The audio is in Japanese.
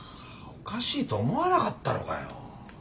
おかしいと思わなかったのかよ。